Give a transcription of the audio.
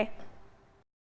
sampai jumpa lagi